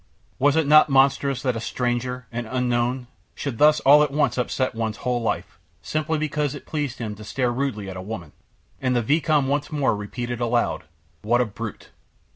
Was it not monstrous that a stranger, an unknown, should thus all at once upset one's whole life, simply because it had pleased him to stare rudely at a woman? And the vicomte once more repeated aloud: "What a brute!"